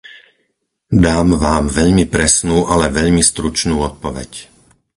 Dám vám veľmi presnú, ale veľmi stručnú odpoveď.